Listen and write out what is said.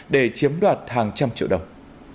để chiếm đoạt hàng trăm triệu đồng